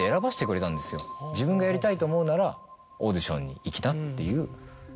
自分がやりたいと思うならオーディションに行きなっていう。